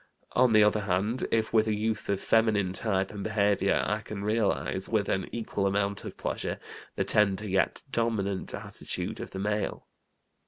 On the other hand, if with a youth of feminine type and behavior I can realize, with an equal amount of pleasure, the tender, yet dominant, attitude of the male.